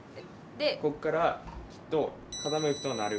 こっからきっと傾くと鳴る。